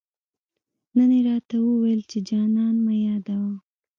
نن يې راته وويل، چي جانان مه يادوه